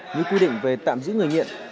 như quy định về tạm giữ người nghiện